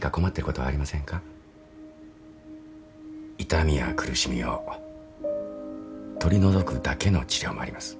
痛みや苦しみを取り除くだけの治療もあります。